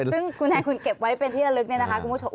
ซึ่งคุณแทนคุณเก็บไว้เป็นที่ระลึกเนี่ยนะคะคุณผู้ชม